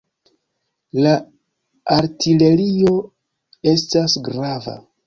La artilerio estas grava.